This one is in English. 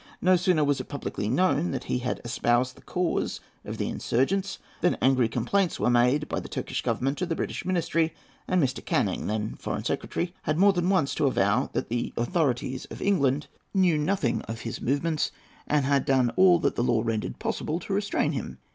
No sooner was it publicly known that he had espoused the cause of the insurgents than angry complaints were made by the Turkish Government to the British ministry, and Mr. Canning, then Foreign Secretary, had more than once to avow that the authorities in England knew nothing of his movements, and had done all that the law rendered possible to restrain him.